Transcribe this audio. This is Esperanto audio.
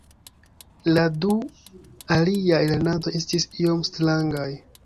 la du aliaj lernantoj estis iom strangaj